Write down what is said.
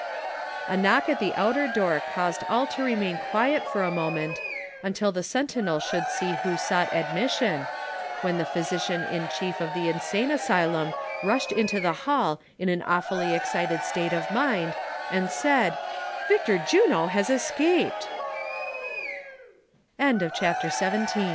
A knock at the outer door caused all to remain quiet for a moment, until the sentinel should see who sought admis sion, when the physician in chief of the insane asylum rushed into the hall in an awfully excited state of mind, and said :" Victor Juno has